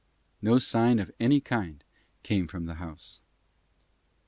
No sign of any kind came from the house.